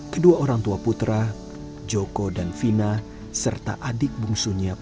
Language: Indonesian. kedua orang tua putra joko dan vina serta adik bungsunya